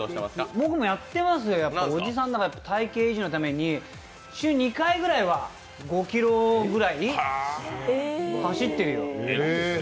僕もやってますよ、おじさんだから体型維持のために週２回ぐらいは５ｋｍぐらい走ってるよ。